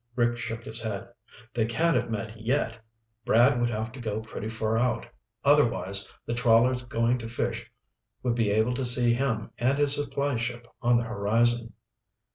Rick shook his head. "They can't have met yet. Brad would have to go pretty far out. Otherwise, the trawlers going to fish would be able to see him and his supply ship on the horizon."